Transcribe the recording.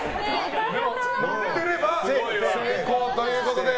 乗ってれば成功ということで。